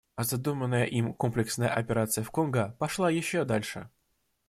А задуманная им комплексная операция в Конго пошла еще дальше.